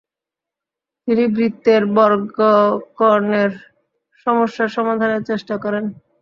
তিনি বৃত্তের বর্গকরণের সমস্যা সমাধানের চেষ্টা করেন।